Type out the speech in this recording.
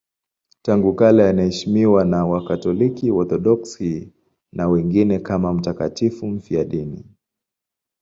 Tangu kale anaheshimiwa na Wakatoliki, Waorthodoksi na wengineo kama mtakatifu mfiadini.